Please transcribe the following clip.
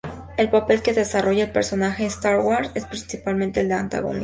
El papel que desarrolla el personaje en "Star Wars" es principalmente el de antagonista.